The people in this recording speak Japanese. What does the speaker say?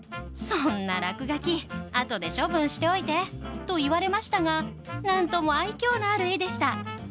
「そんな落書き後で処分しておいて」と言われましたが何とも愛きょうのある絵でした。